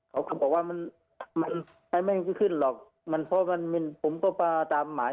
เขาก็บอกว่ามันมันไม่ขึ้นหรอกมันเพราะมันผมก็ปลาตามหมาย